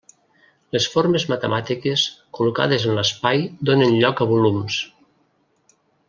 Les formes matemàtiques col·locades en l'espai donen lloc a volums.